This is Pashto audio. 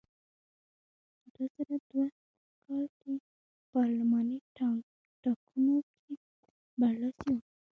دوه زره دوه کال کې په پارلماني ټاکنو کې برلاسی و.